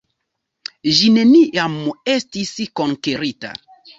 Ĝi neniam estis konkerita.